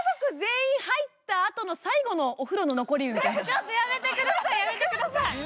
ちょっとやめてください、やめてください。